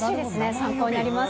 参考になります。